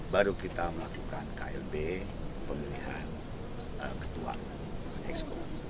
baru kita melakukan klb pemilihan ketua exco